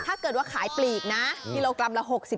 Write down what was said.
ถ้าเกิดว่าขายปลีกนะ